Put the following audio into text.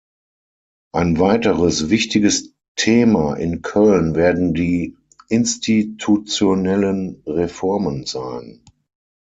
Ein weiteres wichtiges Thema in Köln werden die institutionellen Reformen sein.